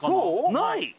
ない？